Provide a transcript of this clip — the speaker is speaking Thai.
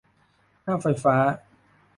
ค่าไฟฟ้า